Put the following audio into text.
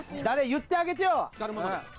言ってあげてよ！